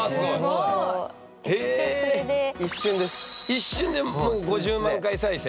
一瞬でもう５０万回再生。